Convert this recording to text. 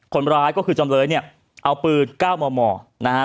คนร้ายก็คือจำเลยเนี่ยเอาปืน๙มมนะฮะ